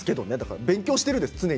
常に勉強しているんです。